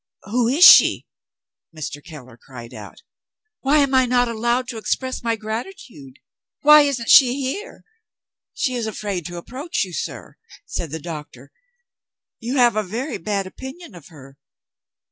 'Who is she?' Mr. Keller cried out. 'Why am I not allowed to express my gratitude? Why isn't she here?' 'She is afraid to approach you, sir,' said the doctor; 'you have a very bad opinion of her.'